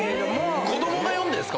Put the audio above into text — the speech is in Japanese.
子供が読んでんすか？